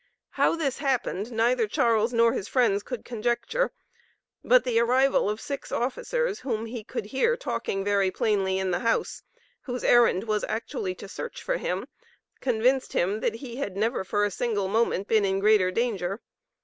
How this happened neither Charles nor his friends could conjecture. But the arrival of six officers whom he could hear talking very plainly in the house, whose errand was actually to search for him, convinced him that he had never for a single moment been in greater danger.